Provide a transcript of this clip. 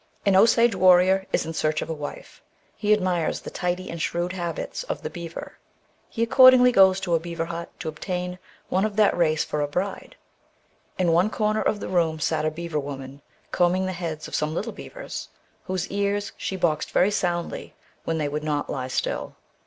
An Osage warrior is in search of a wife : he admires the tidy and shrewd habits of the beaver. He accord ingly goes to a beaver hut to obtain one of that race for a bride. "In one corner of the room sat a beaver woman combing the heads of some little beavers, whose ears she boxed very soundly when they would not lie still.